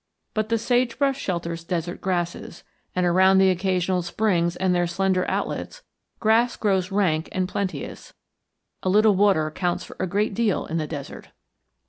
But the sage brush shelters desert grasses, and, around the occasional springs and their slender outlets, grass grows rank and plenteous; a little water counts for a great deal in the desert.